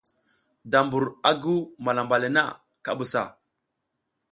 Da mbur a guw malamba le na, ka busa.